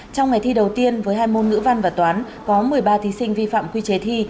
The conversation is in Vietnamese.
trong ngày thi đầu tiên với hai môn ngữ văn và toán có một mươi ba thí sinh vi phạm quy chế thi